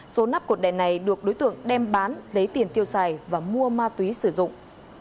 số nắp cột đèn này được đối tượng đem bán lấy tiền tiêu xài và mua ma túy sử dụng